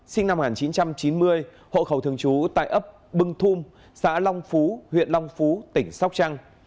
sinh năm một nghìn chín trăm chín mươi hộ khẩu thường trú tại ấp bưng thung xã long phú huyện long phú tỉnh sóc trăng